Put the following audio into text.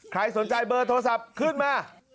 ใครสนใจเบอร์โทรศัพท์ขึ้นมา